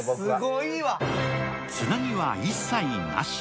つなぎは一切なし。